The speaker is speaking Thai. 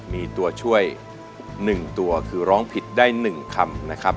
มีตัวช่วย๑ตัวคือร้องผิดได้๑คำนะครับ